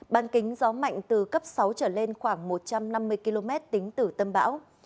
ban kính gió mạnh từ cấp sáu trở lên khoảng một trăm năm mươi km tính từ tâm bão